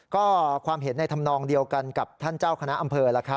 ก็ความเห็นในธรรมนองเดียวกันกับท่านเจ้าคณะอำเภอ